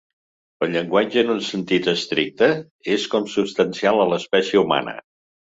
El llenguatge, en un sentit estricte, és consubstancial a l’espècie humana.